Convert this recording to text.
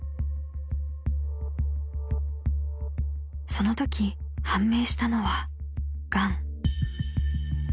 ［そのとき判明したのはがん］